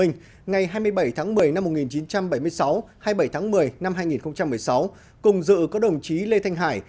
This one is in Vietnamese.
ngày hai mươi bảy tháng một mươi năm một nghìn chín trăm bảy mươi sáu hai mươi bảy tháng một mươi năm hai nghìn một mươi sáu cùng dự có đồng chí lê thanh hải